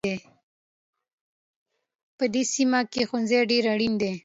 په دې سیمه کې ښوونځی ډېر اړین دی